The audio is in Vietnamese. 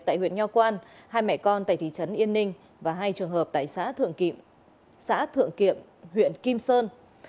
tại huyện nho quang hai mẹ con tại thị trấn yên ninh và hai trường hợp tại xã thượng kiệm huyện kim sơn